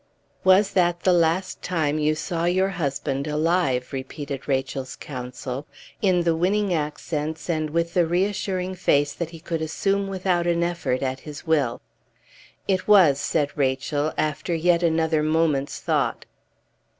"Was that the last time you saw your husband alive?" repeated Rachel's counsel, in the winning accents and with the reassuring face that he could assume without an effort at his will. "It was," said Rachel, after yet another moment's thought.